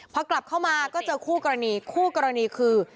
พอกลับเข้ามาก็เจอคู่กรณีคู่กรณีคือ